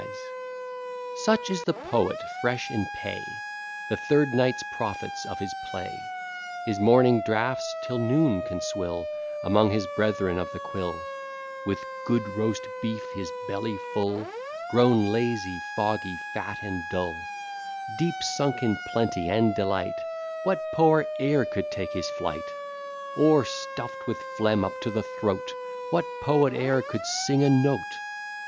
Such is the poet fresh in pay, The third night's profits of his play; His morning draughts till noon can swill, Among his brethren of the quill: With good roast beef his belly full, Grown lazy, foggy, fat, and dull, Deep sunk in plenty and delight, What poet e'er could take his flight? Or, stuff'd with phlegm up to the throat, What poet e'er could sing a note?